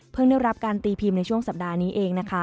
ได้รับการตีพิมพ์ในช่วงสัปดาห์นี้เองนะคะ